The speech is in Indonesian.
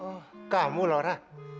oh kamu laura